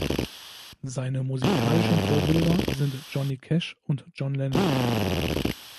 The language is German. Seine musikalischen Vorbilder sind Johnny Cash und John Lennon.